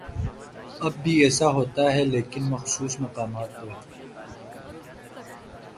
اب بھی ایسا ہوتا ہے لیکن مخصوص مقامات پہ۔